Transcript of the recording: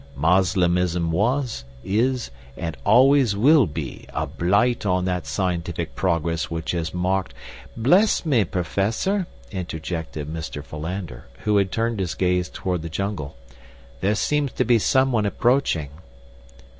Moslemism was, is, and always will be, a blight on that scientific progress which has marked—" "Bless me! Professor," interjected Mr. Philander, who had turned his gaze toward the jungle, "there seems to be someone approaching."